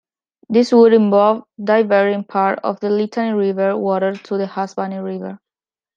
This would involve diverting part of the Litani River water to the Hasbani River.